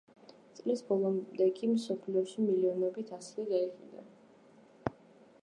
წლის ბოლომდე კი მსოფლიოში მილიონობით ასლი გაიყიდა.